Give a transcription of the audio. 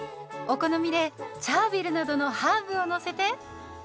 お好みでチャービルなどのハーブをのせて。